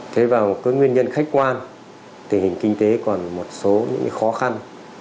thế vào nguyên nhân khách quan tình hình kinh tế còn một số khó khăn